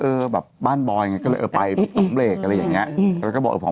เออแบบบ้านบ่อยก็เลยเออไปหอมเบกอะไรอย่างนี้ก็บอกหอม